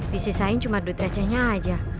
disisain cuma duit acehnya aja